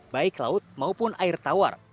baik laut maupun air tawar